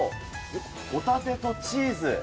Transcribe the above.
ホタテとチーズ。